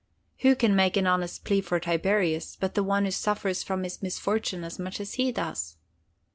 Who can make an honest plea for Tiberius, but the one who suffers from his misfortune as much as he does?"